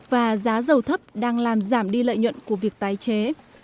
và giá dầu thấp đang làm giảm đi lợi nhuận của việc tái chế